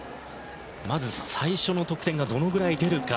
まず最初の得点がどのぐらい出るか。